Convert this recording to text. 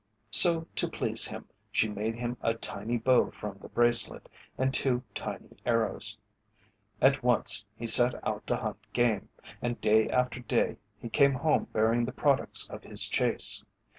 So to please him she made him a tiny bow from the bracelet, and two tiny arrows. At once he set out to hunt game, and day after day he came home bearing the products of his chase.